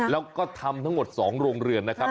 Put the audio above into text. แล้วก็ทำทั้งหมด๒โรงเรือนนะครับ